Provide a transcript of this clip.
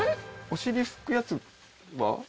お尻拭くやつは？